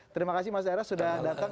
terima kasih mas era sudah datang